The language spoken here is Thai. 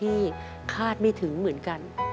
คาดไม่ถึงเหมือนกัน